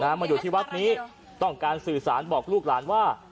มาอยู่ที่วัดนี้ต้องการสื่อสารบอกลูกหลานว่า